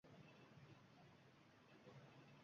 Va, nihoyat, bir sahar chog‘i